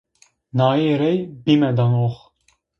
Naê rê bime danoğ.